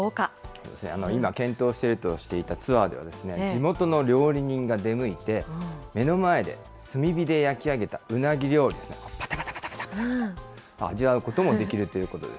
そうですね、今、検討しているとしていたツアーでは、地元の料理人が出向いて、目の前で炭火で焼き上げたうなぎ料理を、ぱたぱたぱたぱたと、味わうこともできるということです。